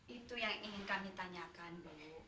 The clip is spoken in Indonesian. itu yang ingin kami tanyakan bu